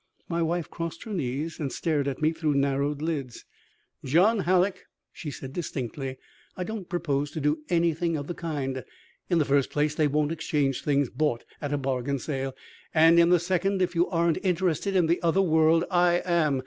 My wife crossed her knees and stared at me through narrowed lids. "John Hallock," she said distinctly. "I don't propose to do anything of the kind. In the first place they won't exchange things bought at a bargain sale, and in the second, if you aren't interested in the other world I am.